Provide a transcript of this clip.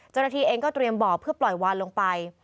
เจ้าหน้าที่เองก็เตรียมบ่อเพื่อปล่อยวานลงไป